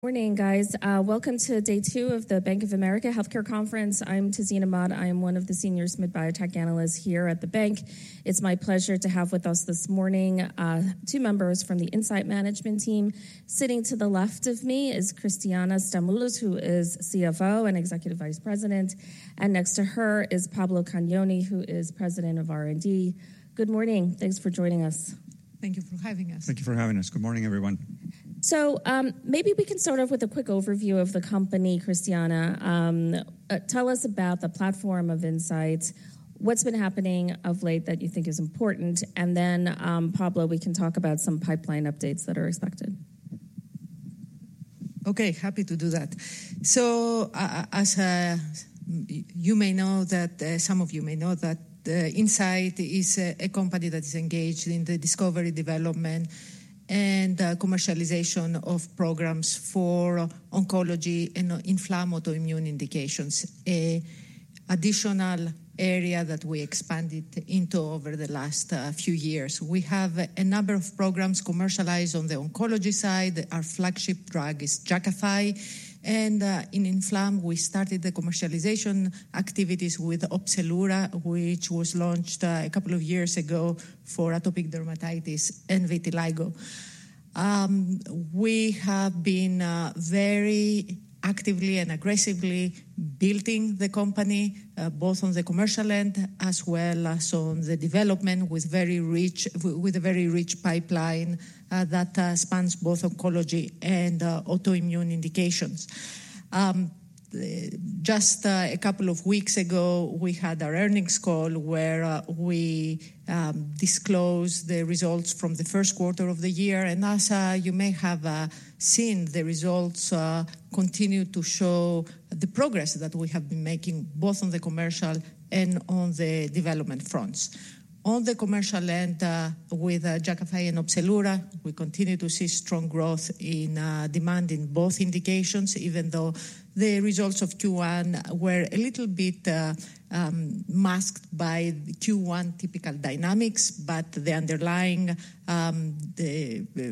Morning, guys. Welcome to day 2 of the Bank of America Healthcare Conference. I'm Tazeen Ahmad. I am one of the Senior Mid-Biotech Analysts here at the bank. It's my pleasure to have with us this morning, two members from the Incyte management team. Sitting to the left of me is Christiana Stamoulis, who is CFO and Executive Vice President, and next to her is Pablo Cagnoni, who is President of R&D. Good morning. Thanks for joining us. Thank you for having us. Thank you for having us. Good morning, everyone. Maybe we can start off with a quick overview of the company, Christiana. Tell us about the platform of Incyte, what's been happening of late that you think is important, and then, Pablo, we can talk about some pipeline updates that are expected. Okay, happy to do that. Some of you may know that, Incyte is a company that is engaged in the discovery, development, and commercialization of programs for oncology and inflammatory immune indications, an additional area that we expanded into over the last few years. We have a number of programs commercialized on the oncology side. Our flagship drug is Jakafi. And, in inflammation, we started the commercialization activities with Opzelura, which was launched a couple of years ago for atopic dermatitis and vitiligo. We have been very actively and aggressively building the company, both on the commercial end as well as on the development with a very rich pipeline that spans both oncology and autoimmune indications. Just a couple of weeks ago, we had our earnings call, where we disclosed the results from the first quarter of the year. As you may have seen, the results continue to show the progress that we have been making, both on the commercial and on the development fronts. On the commercial end, with Jakafi and Opzelura, we continue to see strong growth in demand in both indications, even though the results of Q1 were a little bit masked by Q1 typical dynamics, but the underlying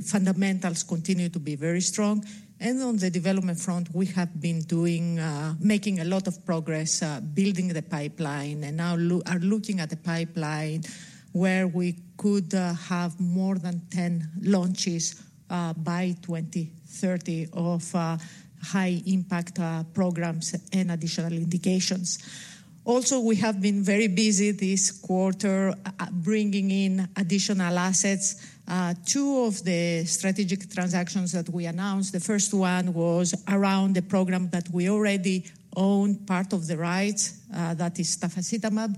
fundamentals continue to be very strong. On the development front, we have been doing, making a lot of progress, building the pipeline and now looking at the pipeline, where we could have more than 10 launches by 2030 of high-impact programs and additional indications. Also, we have been very busy this quarter, bringing in additional assets. Two of the strategic transactions that we announced, the first one was around the program that we already own part of the rights, that is tafasitamab.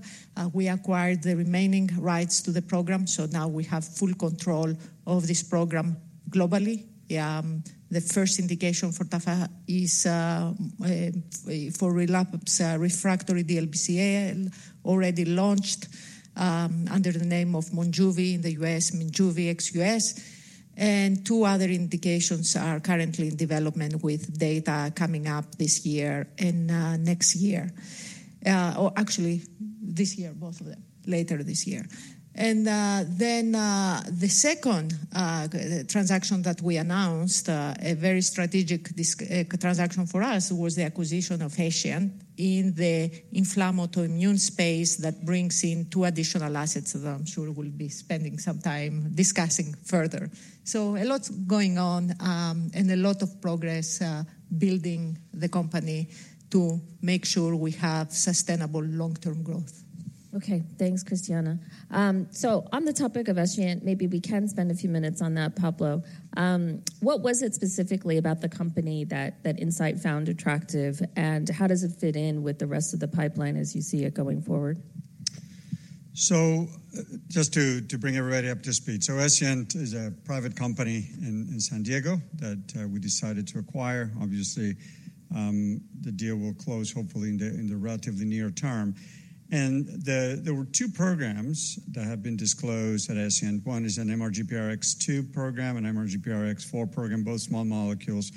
We acquired the remaining rights to the program, so now we have full control of this program globally. The first indication for Tafa is for relapsed refractory DLBCL, already launched under the name of Monjuvi in the U.S., Monjuvi ex-U.S. And two other indications are currently in development, with data coming up this year and next year. Or actually, this year, both of them, later this year. And then the second transaction that we announced, a very strategic this transaction for us, was the acquisition of Escient in the inflammatory immune space that brings in two additional assets that I'm sure we'll be spending some time discussing further. So a lot going on, and a lot of progress, building the company to make sure we have sustainable long-term growth. Okay. Thanks, Christiana. So on the topic of Escient, maybe we can spend a few minutes on that, Pablo. What was it specifically about the company that Incyte found attractive, and how does it fit in with the rest of the pipeline as you see it going forward? So just to bring everybody up to speed. So Escient is a private company in San Diego that we decided to acquire. Obviously, the deal will close hopefully in the relatively near term. And there were two programs that have been disclosed at Escient. One is an MRGPRX2 program and MRGPRX4 program, both small molecules,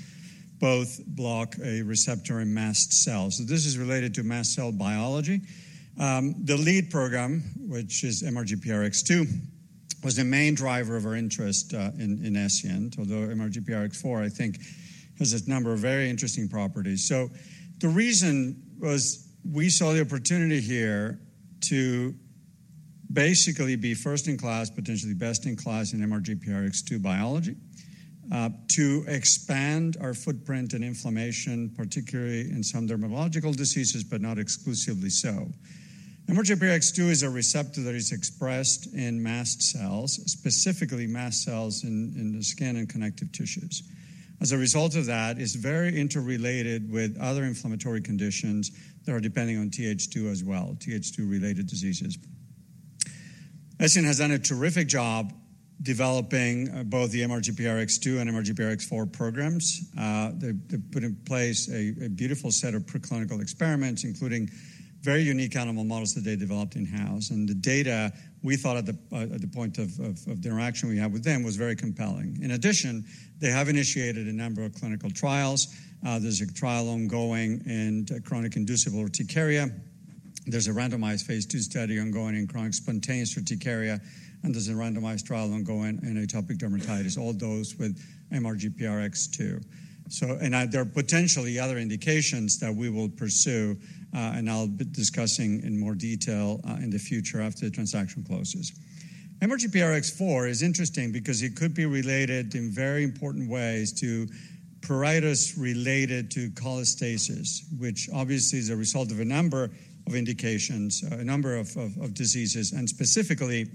both block a receptor in mast cells. So this is related to mast cell biology. The lead program, which is MRGPRX2, was the main driver of our interest in Escient, although MRGPRX4, I think, has a number of very interesting properties. So the reason was, we saw the opportunity here to basically be first in class, potentially best in class, in MRGPRX2 biology, to expand our footprint and inflammation, particularly in some dermatological diseases, but not exclusively so. MRGPRX2 is a receptor that is expressed in mast cells, specifically mast cells in, in the skin and connective tissues. As a result of that, it's very interrelated with other inflammatory conditions that are depending on Th2 as well, Th2-related diseases. Escient has done a terrific job developing both the MRGPRX2 and MRGPRX4 programs. They put in place a beautiful set of preclinical experiments, including very unique animal models that they developed in-house. And the data, we thought at the point of the interaction we had with them, was very compelling. In addition, they have initiated a number of clinical trials. There's a trial ongoing in chronic inducible urticaria. There's a randomized phase II study ongoing in chronic spontaneous urticaria, and there's a randomized trial ongoing in atopic dermatitis, all those with MRGPRX2. There are potentially other indications that we will pursue, and I'll be discussing in more detail, in the future after the transaction closes. MRGPRX4 is interesting because it could be related in very important ways to pruritus related to cholestasis, which obviously is a result of a number of indications, a number of diseases. Specifically,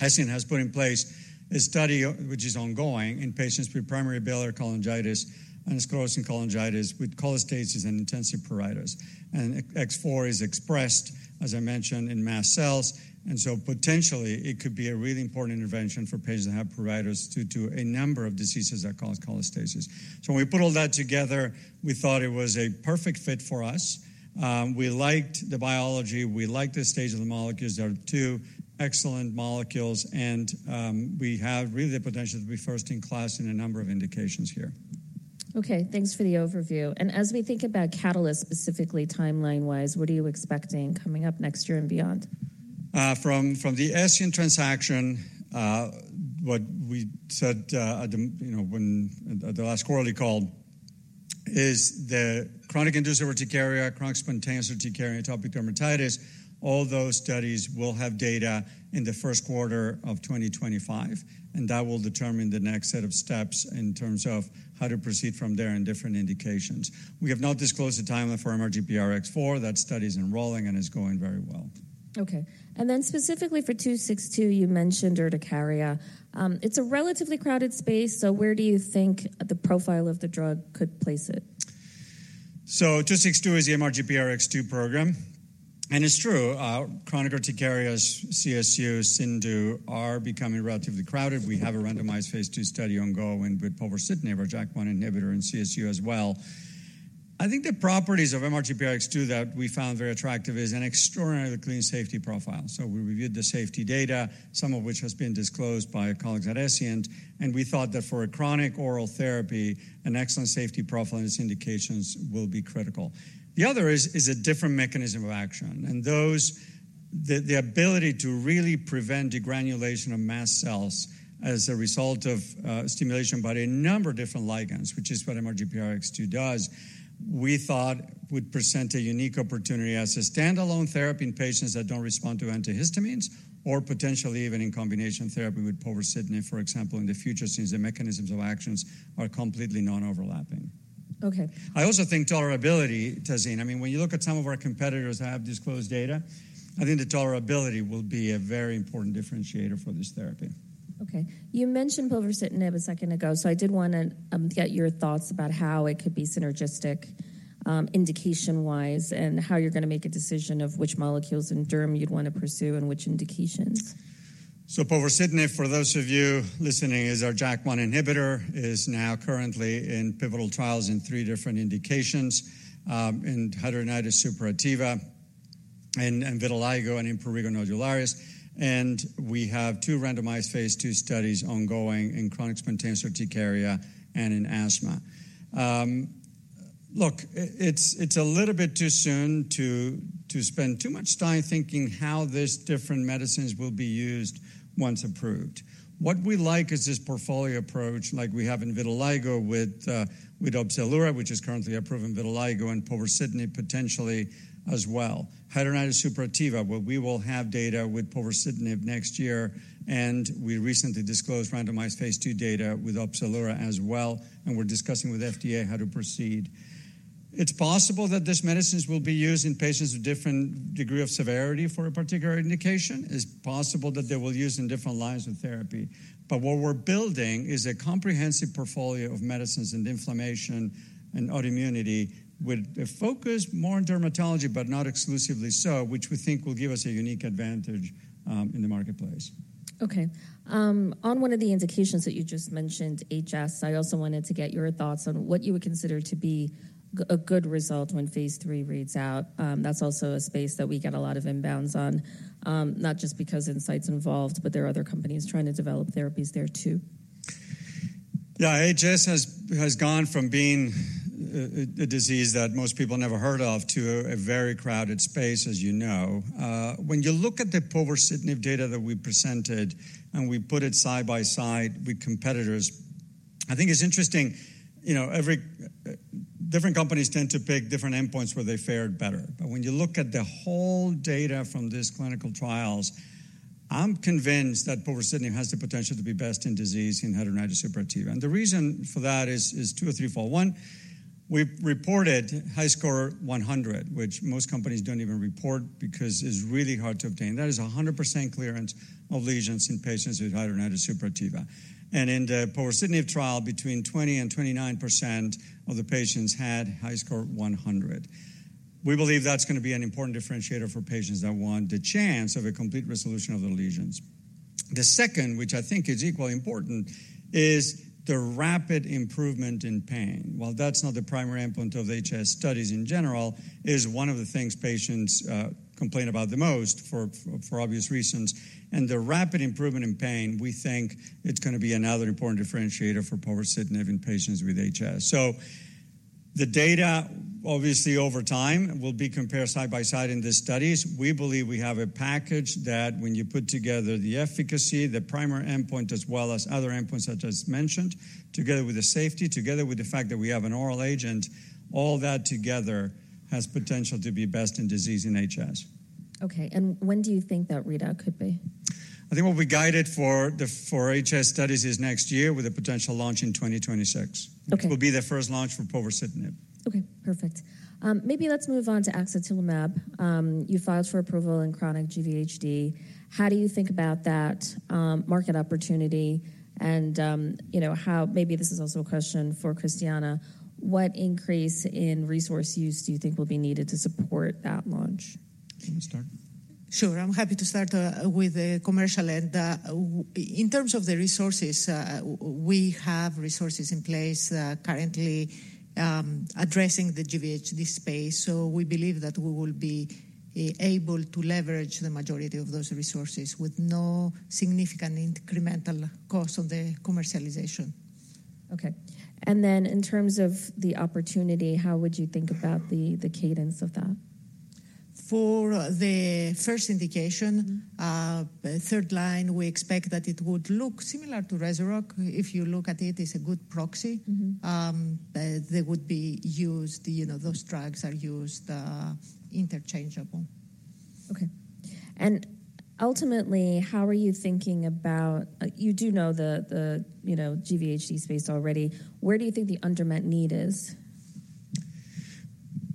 Escient has put in place a study, which is ongoing in patients with primary biliary cholangitis and sclerosing cholangitis with cholestasis and intensive pruritus. X4 is expressed, as I mentioned, in mast cells, and so potentially it could be a really important intervention for patients that have pruritus due to a number of diseases that cause cholestasis. So when we put all that together, we thought it was a perfect fit for us. We liked the biology, we liked the stage of the molecules. They are two excellent molecules, and we have really the potential to be first in class in a number of indications here. Okay, thanks for the overview. As we think about catalyst, specifically timeline-wise, what are you expecting coming up next year and beyond? From the Escient transaction, what we said, you know, when at the last quarterly call, is the chronic inducible urticaria, chronic spontaneous urticaria, atopic dermatitis, all those studies will have data in the first quarter of 2025, and that will determine the next set of steps in terms of how to proceed from there in different indications. We have not disclosed the timeline for MRGPRX4. That study is enrolling and is going very well. Okay. And then specifically for 262, you mentioned urticaria. It's a relatively crowded space, so where do you think the profile of the drug could place it? So 262 is the MRGPRX2 program, and it's true, chronic urticarias, CSU, CIndU, are becoming relatively crowded. We have a randomized phase II study ongoing with povorcitinib, a JAK1 inhibitor in CSU as well. I think the properties of MRGPRX2 that we found very attractive is an extraordinarily clean safety profile. So we reviewed the safety data, some of which has been disclosed by colleagues at Escient, and we thought that for a chronic oral therapy, an excellent safety profile in its indications will be critical. The other is, is a different mechanism of action, and those, the ability to really prevent degranulation of mast cells as a result of stimulation by a number of different ligands, which is what MRGPRX2 does, we thought would present a unique opportunity as a standalone therapy in patients that don't respond to antihistamines or potentially even in combination therapy with povorcitinib, for example, in the future, since the mechanisms of actions are completely non-overlapping. Okay. I also think tolerability, Tazeen. I mean, when you look at some of our competitors that have disclosed data, I think the tolerability will be a very important differentiator for this therapy. Okay. You mentioned povorcitinib a second ago, so I did wanna get your thoughts about how it could be synergistic, indication-wise, and how you're gonna make a decision of which molecules in derm you'd wanna pursue and which indications. So povorcitinib, for those of you listening, is our JAK1 inhibitor, is now currently in pivotal trials in three different indications, in hidradenitis suppurativa, in vitiligo, and in prurigo nodularis. And we have two randomized phase II studies ongoing in chronic spontaneous urticaria and in asthma. Look, it's a little bit too soon to spend too much time thinking how these different medicines will be used once approved. What we like is this portfolio approach, like we have in vitiligo with with Opzelura, which is currently approved in vitiligo and povorcitinib potentially as well. Hidradenitis suppurativa, where we will have data with povorcitinib next year, and we recently disclosed randomized phase II data with Opzelura as well, and we're discussing with FDA how to proceed. It's possible that these medicines will be used in patients with different degree of severity for a particular indication. It's possible that they will use in different lines of therapy. But what we're building is a comprehensive portfolio of medicines and inflammation and autoimmunity, with a focus more on dermatology, but not exclusively so, which we think will give us a unique advantage, in the marketplace. Okay. On one of the indications that you just mentioned, HS, I also wanted to get your thoughts on what you would consider to be a good result when phase III reads out. That's also a space that we get a lot of inbounds on, not just because Incyte's involved, but there are other companies trying to develop therapies there too. Yeah, HS has gone from being a disease that most people never heard of to a very crowded space, as you know. When you look at the povorcitinib data that we presented, and we put it side by side with competitors, I think it's interesting, you know, every different companies tend to pick different endpoints where they fared better. But when you look at the whole data from these clinical trials, I'm convinced that povorcitinib has the potential to be best in disease in hidradenitis suppurativa. And the reason for that is two or threefold. One, we reported HiSCR100, which most companies don't even report because it's really hard to obtain. That is 100% clearance of lesions in patients with hidradenitis suppurativa. In the povorcitinib trial, between 20% and 29% of the patients had HiSCR100. We believe that's gonna be an important differentiator for patients that want the chance of a complete resolution of their lesions. The second, which I think is equally important, is the rapid improvement in pain. While that's not the primary endpoint of HS studies in general, it is one of the things patients complain about the most for obvious reasons. The rapid improvement in pain, we think it's gonna be another important differentiator for povorcitinib in patients with HS. The data, obviously over time, will be compared side by side in the studies. We believe we have a package that when you put together the efficacy, the primary endpoint, as well as other endpoints that just mentioned, together with the safety, together with the fact that we have an oral agent, all that together has potential to be best in disease in HS. Okay, and when do you think that readout could be? I think what we guided for HS studies is next year with a potential launch in 2026. Okay. It will be the first launch for povorcitinib. Okay, perfect. Maybe let's move on to axetilimab. You filed for approval in chronic GVHD. How do you think about that market opportunity? And, you know, maybe this is also a question for Christiana. What increase in resource use do you think will be needed to support that launch? You want to start? Sure, I'm happy to start with the commercial end. In terms of the resources, we have resources in place currently addressing the GVHD space. So we believe that we will be able to leverage the majority of those resources with no significant incremental cost on the commercialization. Okay. And then in terms of the opportunity, how would you think about the cadence of that? For the first indication- Mm-hmm. Third line, we expect that it would look similar to Rezurock. If you look at it, it's a good proxy. Mm-hmm. They would be used, you know, those drugs are used interchangeable. Okay. And ultimately, how are you thinking about... You do know the you know, GVHD space already. Where do you think the unmet need is?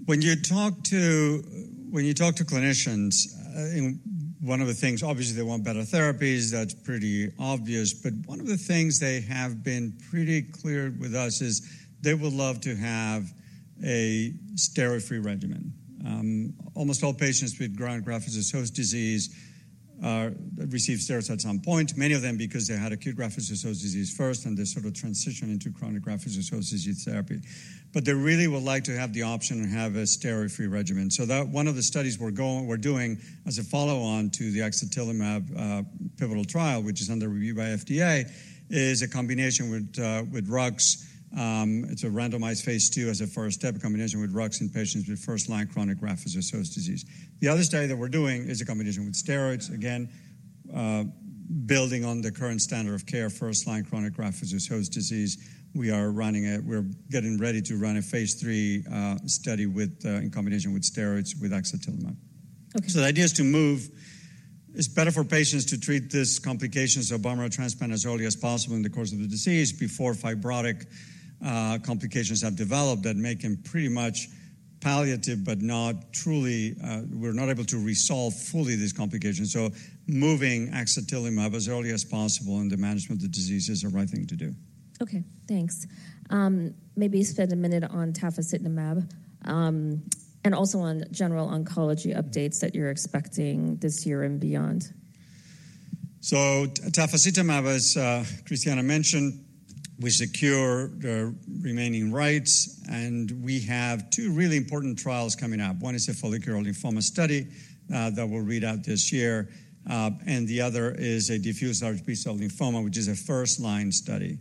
When you talk to clinicians, and one of the things, obviously, they want better therapies. That's pretty obvious. But one of the things they have been pretty clear with us is they would love to have a steroid-free regimen. Almost all patients with chronic graft-versus-host disease receive steroids at some point, many of them because they had acute graft-versus-host disease first, and they sort of transition into chronic graft-versus-host disease therapy. But they really would like to have the option to have a steroid-free regimen. So that one of the studies we're doing as a follow-on to the axetilimab pivotal trial, which is under review by FDA, is a combination with drugs. It's a randomized phase II as a first-step combination with drugs in patients with first-line chronic graft-versus-host disease. The other study that we're doing is a combination with steroids. Again, building on the current standard of care, first-line chronic graft-versus-host disease, we're getting ready to run a phase III study with in combination with steroids, with axetilimab. Okay. So the idea is to move. It's better for patients to treat this complications of bone marrow transplant as early as possible in the course of the disease before fibrotic complications have developed that make them pretty much palliative, but not truly. We're not able to resolve fully this complication. So moving axetilimab as early as possible in the management of the disease is the right thing to do. Okay, thanks. Maybe spend a minute on tafasitamab, and also on general oncology updates that you're expecting this year and beyond. So tafasitamab, as Christiana mentioned, we secure the remaining rights, and we have 2 really important trials coming up. 1 is a follicular lymphoma study that will read out this year, and the other is a diffuse large B-cell lymphoma, which is a first-line study.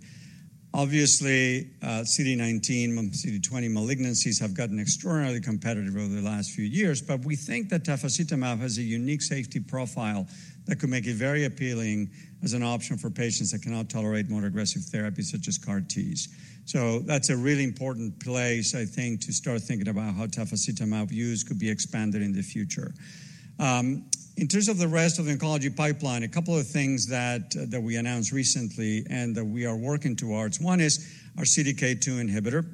Obviously, CD19, CD20 malignancies have gotten extraordinarily competitive over the last few years, but we think that tafasitamab has a unique safety profile that could make it very appealing as an option for patients that cannot tolerate more aggressive therapies, such as CAR-Ts. So that's a really important place, I think, to start thinking about how tafasitamab use could be expanded in the future. In terms of the rest of the oncology pipeline, a couple of things that that we announced recently and that we are working towards, 1 is our CDK2 inhibitor.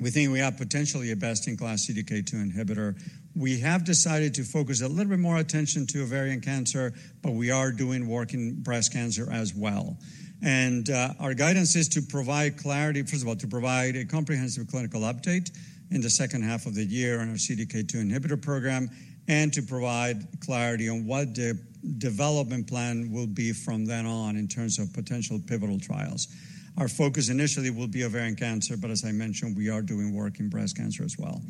We think we have potentially a best-in-class CDK2 inhibitor. We have decided to focus a little bit more attention to ovarian cancer, but we are doing work in breast cancer as well. And, our guidance is to provide clarity, first of all, to provide a comprehensive clinical update in the second half of the year on our CDK2 inhibitor program, and to provide clarity on what the development plan will be from then on in terms of potential pivotal trials. Our focus initially will be ovarian cancer, but as I mentioned, we are doing work in breast cancer as well.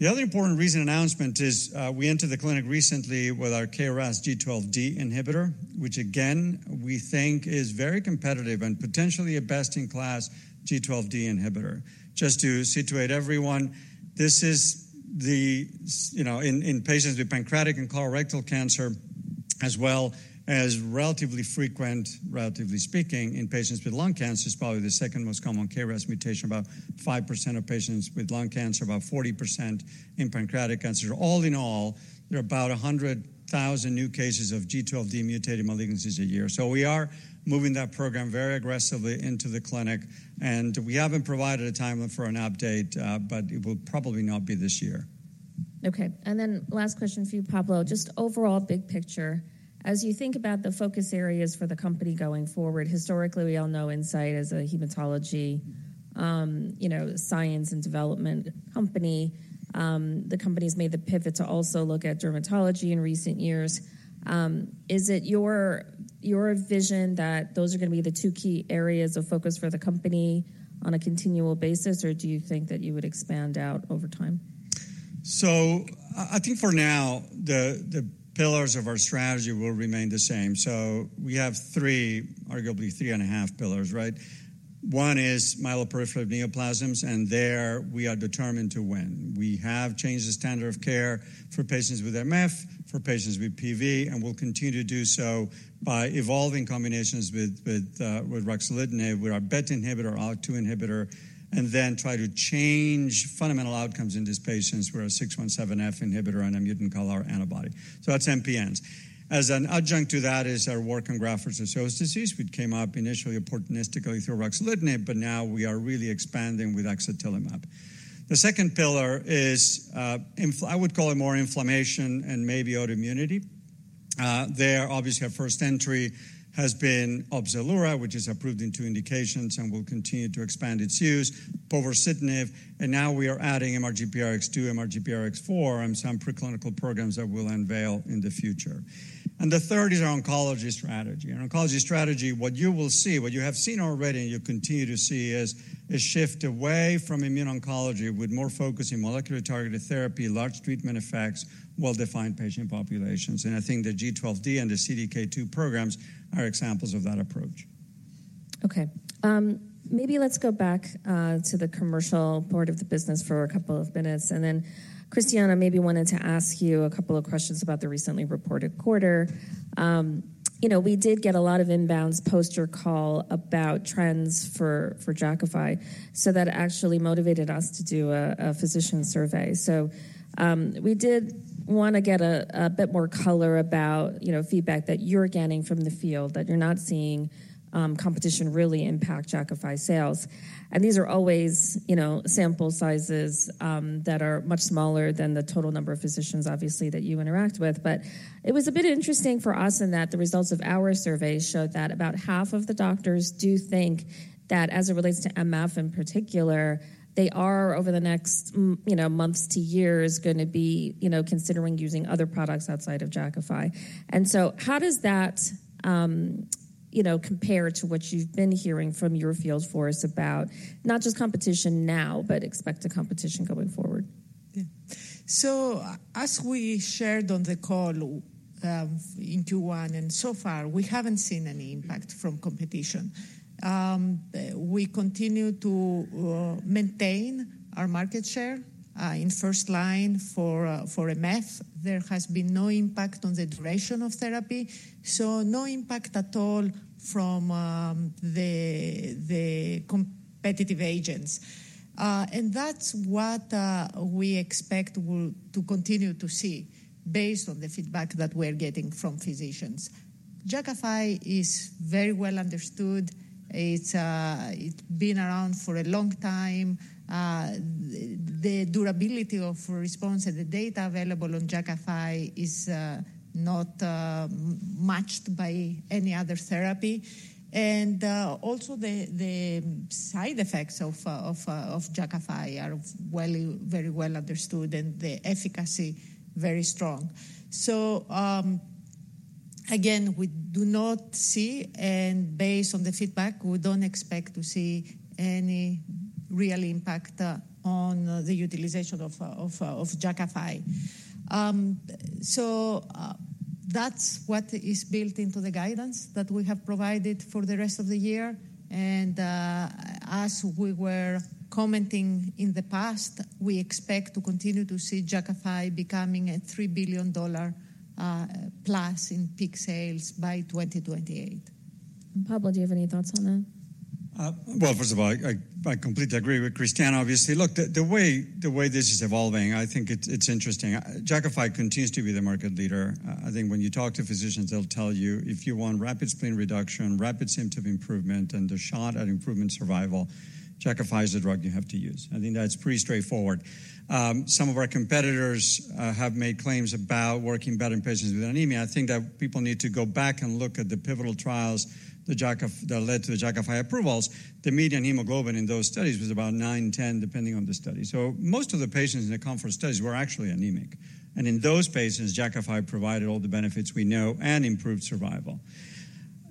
The other important recent announcement is, we entered the clinic recently with our KRAS G12D inhibitor, which again, we think is very competitive and potentially a best-in-class G12D inhibitor. Just to situate everyone, this is the you know, in patients with pancreatic and colorectal cancer, as well as relatively frequent, relatively speaking, in patients with lung cancer. It's probably the second most common KRAS mutation, about 5% of patients with lung cancer, about 40% in pancreatic cancer. All in all, there are about 100,000 new cases of G12D mutated malignancies a year. So we are moving that program very aggressively into the clinic, and we haven't provided a timeline for an update, but it will probably not be this year. Okay, and then last question for you, Pablo. Just overall big picture, as you think about the focus areas for the company going forward, historically, we all know Incyte as a hematology, you know, science and development company. The company's made the pivot to also look at dermatology in recent years. Is it your, your vision that those are gonna be the two key areas of focus for the company on a continual basis, or do you think that you would expand out over time? So I think for now, the pillars of our strategy will remain the same. So we have 3, arguably 3 and a half pillars, right? 1 is myeloproliferative neoplasms, and there we are determined to win. We have changed the standard of care for patients with MF, for patients with PV, and we'll continue to do so by evolving combinations with ruxolitinib, with our BET inhibitor, ALK2 inhibitor, and then try to change fundamental outcomes in these patients with our JAK2 V617F inhibitor and a mutant CALR antibody. So that's MPNs. As an adjunct to that is our work on graft-versus-host disease, which came up initially opportunistically through ruxolitinib, but now we are really expanding with axetilimab. The second pillar is, I would call it more inflammation and maybe autoimmunity. There, obviously, our first entry has been Opzelura, which is approved in two indications and will continue to expand its use, povorcitinib, and now we are adding MRGPRX2, MRGPRX4, and some preclinical programs that we'll unveil in the future. And the third is our oncology strategy. In oncology strategy, what you will see, what you have seen already, and you'll continue to see, is a shift away from immune oncology with more focus in molecular-targeted therapy, large treatment effects, well-defined patient populations. And I think the G12D and the CDK2 programs are examples of that approach. Okay. Maybe let's go back to the commercial part of the business for a couple of minutes, and then, Christiana, maybe wanted to ask you a couple of questions about the recently reported quarter. You know, we did get a lot of inbounds post your call about trends for Jakafi, so that actually motivated us to do a physician survey. So, we did wanna get a bit more color about, you know, feedback that you're getting from the field, that you're not seeing competition really impact Jakafi sales. And these are always, you know, sample sizes that are much smaller than the total number of physicians, obviously, that you interact with. But it was a bit interesting for us in that the results of our survey showed that about half of the doctors do think that as it relates to MF in particular, they are, over the next, you know, months to years, gonna be, you know, considering using other products outside of Jakafi. And so how does that, you know, compare to what you've been hearing from your field force about not just competition now, but expected competition going forward? Yeah. So as we shared on the call, in Q1 and so far, we haven't seen any impact from competition. We continue to maintain our market share in first line for MF. There has been no impact on the duration of therapy, so no impact at all from the competitive agents. And that's what we expect to continue to see based on the feedback that we're getting from physicians. Jakafi is very well understood. It's been around for a long time. The durability of response and the data available on Jakafi is not matched by any other therapy. And also, the side effects of Jakafi are very well understood and the efficacy very strong. So, again, we do not see, and based on the feedback, we don't expect to see any real impact on the utilization of Jakafi. So, that's what is built into the guidance that we have provided for the rest of the year, and as we were commenting in the past, we expect to continue to see Jakafi becoming a $3 billion plus in peak sales by 2028. Pablo, do you have any thoughts on that? Well, first of all, I completely agree with Christiana, obviously. Look, the way this is evolving, I think it's interesting. Jakafi continues to be the market leader. I think when you talk to physicians, they'll tell you, if you want rapid spleen reduction, rapid symptom improvement, and a shot at improvement survival, Jakafi is the drug you have to use. I think that's pretty straightforward. Some of our competitors have made claims about working better in patients with anemia. I think that people need to go back and look at the pivotal trials, the Jakafi that led to the Jakafi approvals. The median hemoglobin in those studies was about 9, 10, depending on the study. So most of the patients in the comfort studies were actually anemic, and in those patients, Jakafi provided all the benefits we know and improved survival.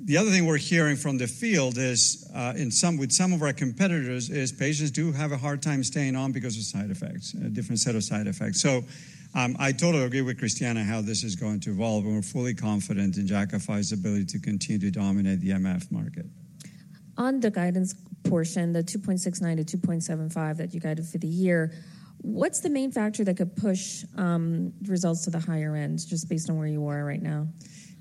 The other thing we're hearing from the field is, with some of our competitors, is patients do have a hard time staying on because of side effects, a different set of side effects. So, I totally agree with Christiana how this is going to evolve, and we're fully confident in Jakafi's ability to continue to dominate the MF market. On the guidance portion, the 2.69-2.75 that you guided for the year, what's the main factor that could push results to the higher end, just based on where you are right now?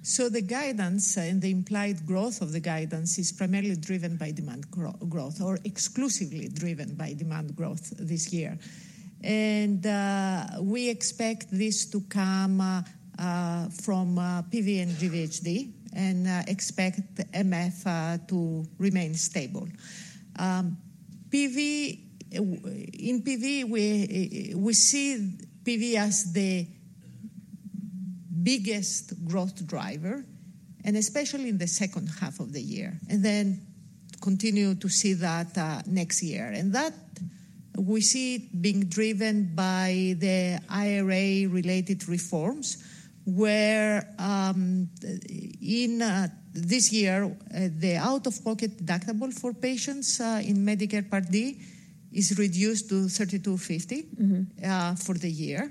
So the guidance and the implied growth of the guidance is primarily driven by demand growth or exclusively driven by demand growth this year. And we expect this to come from PV and GVHD, and expect MF to remain stable. PV, in PV, we see PV as the biggest growth driver, and especially in the second half of the year, and then continue to see that next year. And that we see it being driven by the IRA-related reforms, where, in this year, the out-of-pocket deductible for patients in Medicare Part D is reduced to $3,250- Mm-hmm.... for the year....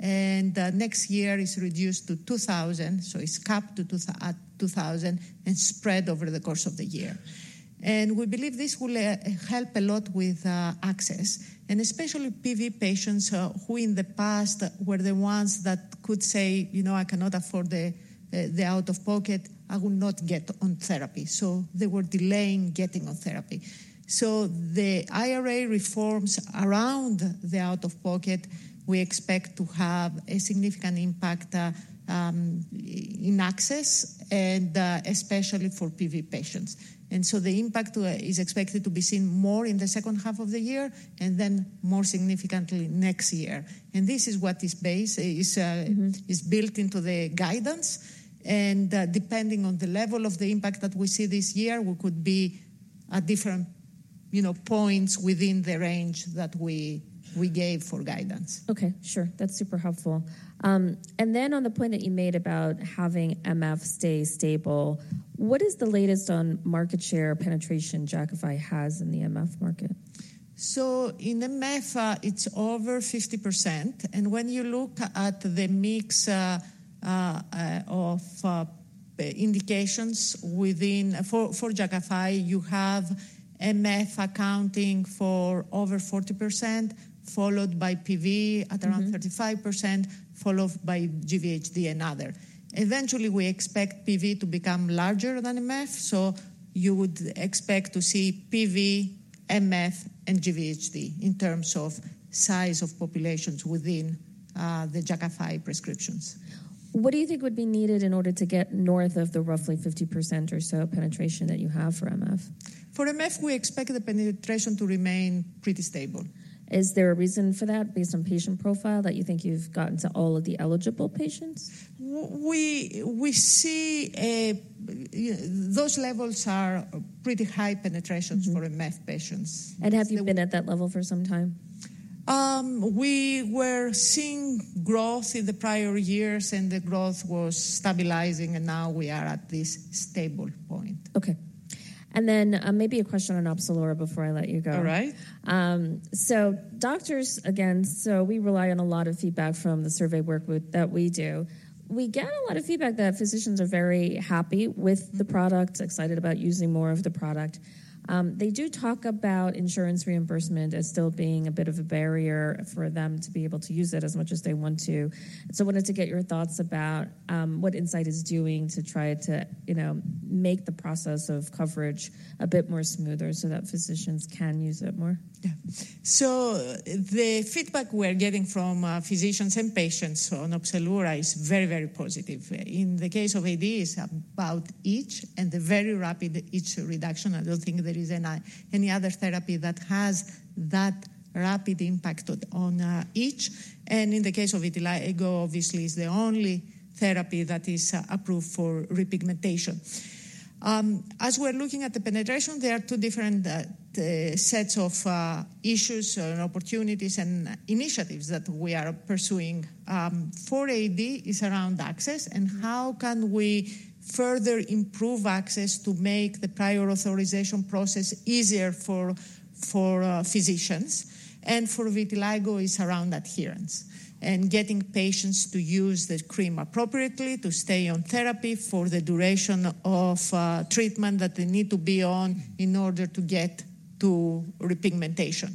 and next year is reduced to $2000, so it's capped to $2000 and spread over the course of the year. And we believe this will help a lot with access, and especially PV patients, who in the past were the ones that could say, "You know, I cannot afford the out-of-pocket. I will not get on therapy." So they were delaying getting on therapy. So the IRA reforms around the out-of-pocket, we expect to have a significant impact in access and especially for PV patients. And so the impact is expected to be seen more in the second half of the year and then more significantly next year. And this is what is base is. Mm-hmm.... is built into the guidance. Depending on the level of the impact that we see this year, we could be at different, you know, points within the range that we gave for guidance. Okay, sure. That's super helpful. And then on the point that you made about having MF stay stable, what is the latest on market share penetration Jakafi has in the MF market? So in MF, it's over 50%, and when you look at the mix of indications within... For Jakafi, you have MF accounting for over 40%, followed by PV- Mm-hmm. at around 35%, followed by GVHD and other. Eventually, we expect PV to become larger than MF, so you would expect to see PV, MF, and GVHD in terms of size of populations within the Jakafi prescriptions. What do you think would be needed in order to get north of the roughly 50% or so penetration that you have for MF? For MF, we expect the penetration to remain pretty stable. Is there a reason for that, based on patient profile, that you think you've gotten to all of the eligible patients? We, we see a... Those levels are pretty high penetrations. Mm-hmm.... for MF patients. Have you been at that level for some time? We were seeing growth in the prior years, and the growth was stabilizing, and now we are at this stable point. Okay. And then, maybe a question on Opzelura before I let you go. All right. So, doctors, again, so we rely on a lot of feedback from the survey work with that we do. We get a lot of feedback that physicians are very happy with the product, excited about using more of the product. They do talk about insurance reimbursement as still being a bit of a barrier for them to be able to use it as much as they want to. So I wanted to get your thoughts about what Incyte is doing to try to, you know, make the process of coverage a bit more smoother so that physicians can use it more. Yeah. So the feedback we're getting from physicians and patients on Opzelura is very, very positive. In the case of AD, it's about itch and the very rapid itch reduction. I don't think there is any other therapy that has that rapid impact on itch, and in the case of vitiligo, obviously, it's the only therapy that is approved for re-pigmentation. As we're looking at the penetration, there are two different sets of issues and opportunities and initiatives that we are pursuing. For AD, it's around access- Mm-hmm.... and how can we further improve access to make the prior authorization process easier for physicians? And for vitiligo, it's around adherence and getting patients to use the cream appropriately, to stay on therapy for the duration of treatment that they need to be on in order to get to repigmentation.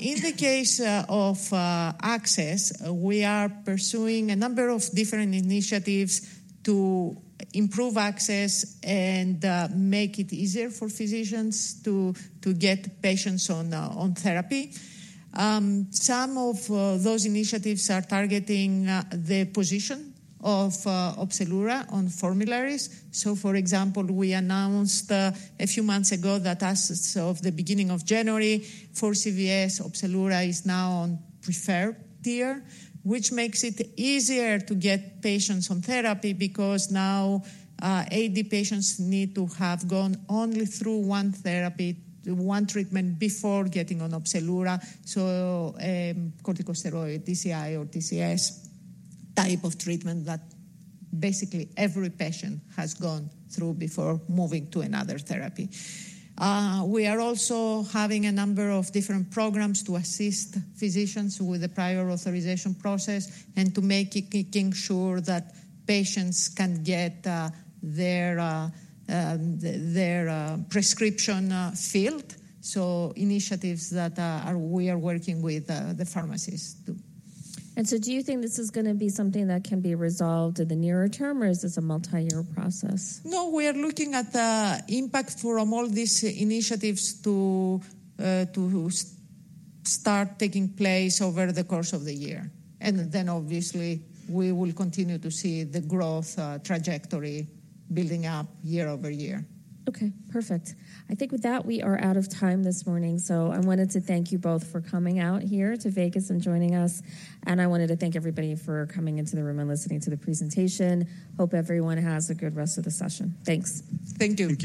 In the case of access, we are pursuing a number of different initiatives to improve access and make it easier for physicians to get patients on therapy. Some of those initiatives are targeting the position of Opzelura on formularies. So, for example, we announced a few months ago that as of the beginning of January, for CVS, Opzelura is now on preferred tier, which makes it easier to get patients on therapy because now AD patients need to have gone only through one therapy, one treatment before getting on Opzelura, so corticosteroid, TCI or TCS type of treatment that basically every patient has gone through before moving to another therapy. We are also having a number of different programs to assist physicians with the prior authorization process and to making sure that patients can get their prescription filled, so initiatives that we are working with the pharmacies to- And so do you think this is gonna be something that can be resolved in the nearer term, or is this a multi-year process? No, we are looking at the impact from all these initiatives to, to start taking place over the course of the year. Mm-hmm. Then, obviously, we will continue to see the growth trajectory building up year over year. Okay, perfect. I think with that, we are out of time this morning. I wanted to thank you both for coming out here to Vegas and joining us, and I wanted to thank everybody for coming into the room and listening to the presentation. Hope everyone has a good rest of the session. Thanks. Thank you. Thank you.